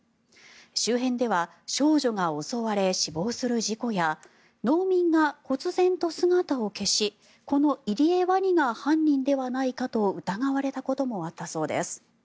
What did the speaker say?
周辺では少女が襲われ死亡する事故や農民がこつぜんと姿を消しこのイリエワニが犯人ではないかと疑われたこともあったそうです。